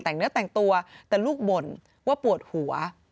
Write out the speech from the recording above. แต่งเนื้อแต่งตัวแต่ลูกบ่นว่าปวดหัว